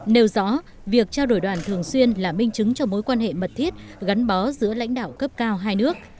nêu rõ việc trao đổi đoàn thường xuyên là minh chứng cho mối quan hệ mật thiết gắn bó giữa lãnh đạo cấp cao hai nước